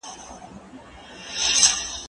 واښه د زهشوم له خوا راوړل کيږي!